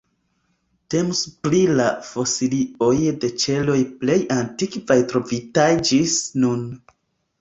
Temus pri la fosilioj de ĉeloj plej antikvaj trovitaj ĝis nun.